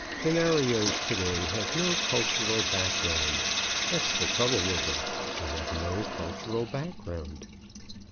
Scenarios to day have no cultural background. That's the trouble with them. They have no cultural background.